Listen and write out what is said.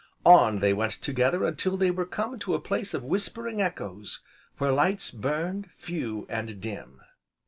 On they went together until they were come to a place of whispering echoes, where lights burned, few, and dim.